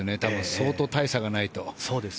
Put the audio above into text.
相当大差がないと。